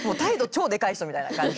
超でかい人みたいな感じ。